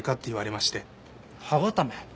歯固め？